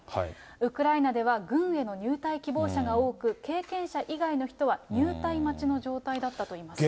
ウクライナでは軍への入隊希望者が多く、経験者以外の人は入隊待ちの状態だったといいます。